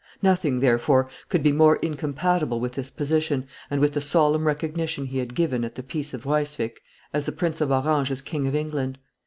Nothing, therefore, could be more incompatible with this position, and with the solemn recognition he had given, at the peace of Ryswick, of the Prince of Orange as King of England.